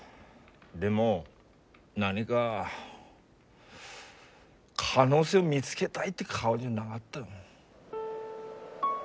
でも何が可能性を見つけたいって顔じゃなかった。